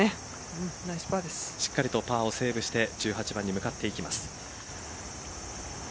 しっかりとパーをセーブして向かっていきます。